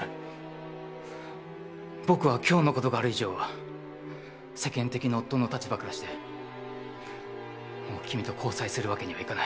僕は今日の事がある以上は、世間的の夫の立場からして、もう君と交際する訳には行かない。